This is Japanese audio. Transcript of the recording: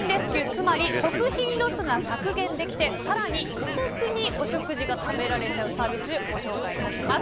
つまり食品ロスが削減できてさらに、お得にお食事が食べられちゃうサービスご紹介いたします。